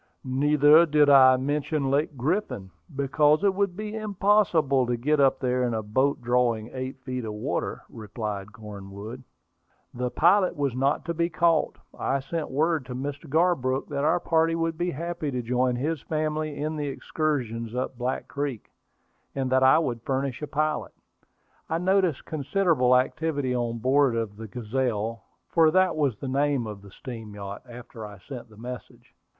"Neither did I mention Lake Griffin, because it would be impossible to get up there in a boat drawing eight feet of water," replied Cornwood. The pilot was not to be caught. I sent word to Mr. Garbrook that our party would be happy to join his family in the excursion up Black Creek, and that I would furnish a pilot. I noticed considerable activity on board of the Gazelle, for that was the name of the steam yacht, after I sent the message.